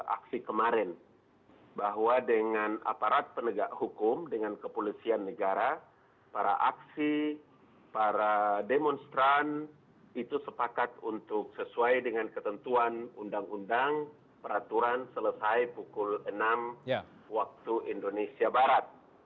aksi kemarin bahwa dengan aparat penegak hukum dengan kepolisian negara para aksi para demonstran itu sepakat untuk sesuai dengan ketentuan undang undang peraturan selesai pukul enam waktu indonesia barat